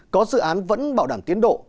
có dự án vẫn bảo đảm tiến độ